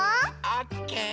オッケー！